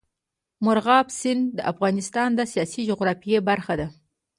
مورغاب سیند د افغانستان د سیاسي جغرافیه برخه ده.